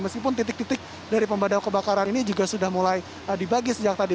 meskipun titik titik dari pemadam kebakaran ini juga sudah mulai dibagi sejak tadi